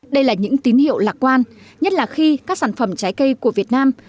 đây là những tín hiệu lạc quan nhất là khi các sản phẩm trái cây của việt nam